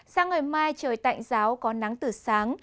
sang ngày mai trời tạnh giáo có nắng từ sáng